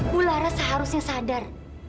bu laras seharusnya sadar